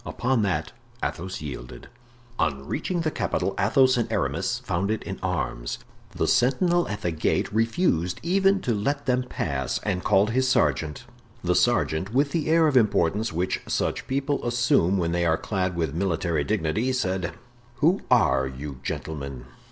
Upon that, Athos yielded. On reaching the capital Athos and Aramis found it in arms. The sentinel at the gate refused even to let them pass, and called his sergeant. The sergeant, with the air of importance which such people assume when they are clad with military dignity, said: "Who are you, gentlemen?"